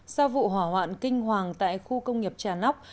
sau vụ hỏa hoạn kinh hoàng tại khu công nghiệp trà nóc